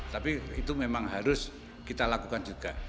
tapi itu memang harus kita lakukan juga